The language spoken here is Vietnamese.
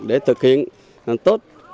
để thực hiện tốt